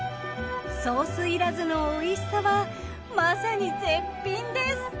ソースいらずのおいしさはまさに絶品です！